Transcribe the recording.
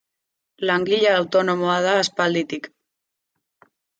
Langile autonomoa da aspalditik.